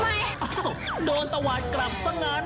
อ้าวโดตวัตรกราบสักอย่าง